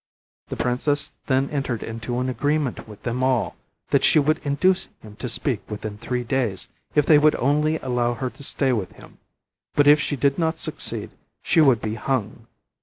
The princess then entered into an agreement with them all, that she would induce him to speak within three days if they would only allow her to stay with him, but if she did not succeed she would be hung.